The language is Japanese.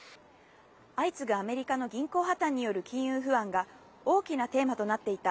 相次ぐアメリカの銀行破綻による金融不安が大きなテーマとなっていた